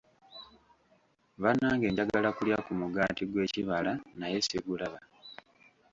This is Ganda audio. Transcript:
Bannange njagala kulya ku mugaati gw'ekibala naye sigulaba.